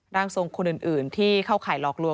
ร่างทรงคนอื่นที่เข้าข่ายหลอกลวง